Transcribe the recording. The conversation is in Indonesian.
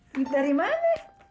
duit dari mana